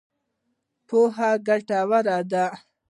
پوهه ګټوره ده.